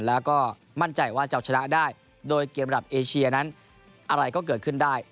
แล้วก็มั่นใจว่าจะเอาชนะได้โดยเกมระดับเอเชียนั้นอะไรก็เกิดขึ้นได้